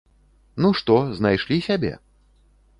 Ну што, знайшлі сябе?